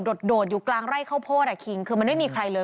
โดดอยู่กลางไร่ข้าวโพดอ่ะคิงคือมันไม่มีใครเลย